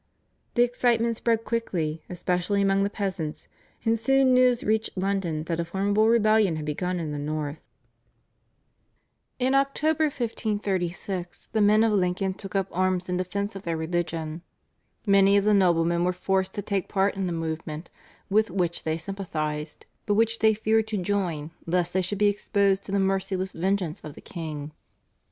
The excitement spread quickly, especially amongst the peasants, and soon news reached London that a formidable rebellion had begun in the north. In October 1536 the men of Lincoln took up arms in defence of their religion. Many of the noblemen were forced to take part in the movement, with which they sympathised, but which they feared to join lest they should be exposed to the merciless vengeance of the king.